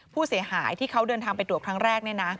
ผู้เสียหายที่เขาเดินทางไปตรวจครั้งแรก